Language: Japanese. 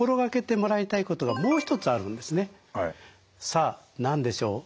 さあ何でしょう？